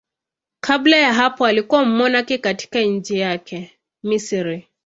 Kabla ya hapo alikuwa mmonaki katika nchi yake, Misri.